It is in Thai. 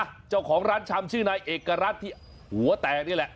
เจ้าของร้านชำชื่อนายเอกรัฐที่หัวแตกนี่แหละ